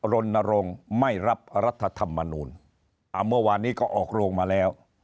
รณรงค์ไม่รับรัฐธรรมนูลอ่าเมื่อวานนี้ก็ออกโรงมาแล้ว